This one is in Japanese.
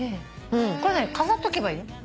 これ何飾っとけばいいの？